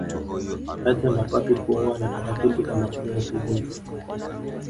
Baadhi ya mapadri kuoa na taratibu za mafungo kuvunjwa